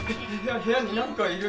部屋になんかいる！